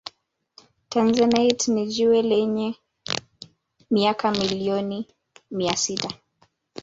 Tanzanite ni jiwe lenye miaka milioni mia sita